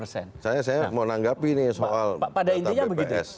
saya mau menanggapi ini soal data bps